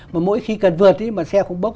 mà mỗi khi cần vượt thì mà xe không bốc